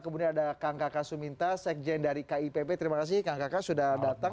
kemudian ada kang kakak suminta sekjen dari kipp terima kasih kang kakak sudah datang